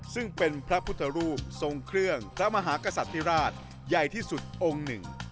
ซึ่งเป็นพระพุทธรูปทรงเครื่องพระมหากษัตริราชใหญ่ที่สุดองค์หนึ่ง